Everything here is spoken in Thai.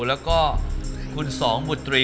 แล้วก็คุณสองบุตรี